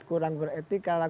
kurang beretika lah